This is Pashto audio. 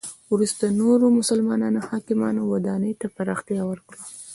وروسته نورو مسلمانو حاکمانو ودانی ته پراختیا ورکړه.